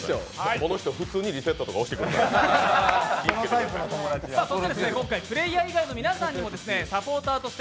この人普通にリセットとか押しててくるから気つけてください。